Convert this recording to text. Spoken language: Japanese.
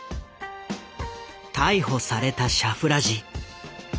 逮捕されたシャフラジ。